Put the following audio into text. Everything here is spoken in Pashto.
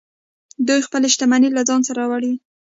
دوی خپلې شتمنۍ له ځان سره وړلې